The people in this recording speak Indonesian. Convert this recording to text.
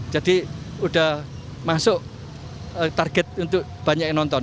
jadi udah masuk target untuk banyak yang nonton